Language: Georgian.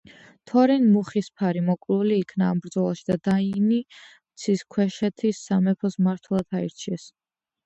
თორინ მუხისფარი მოკლული იქნა ამ ბრძოლაში და დაინი მთისქვეშეთის სამეფოს მმართველად აირჩიეს.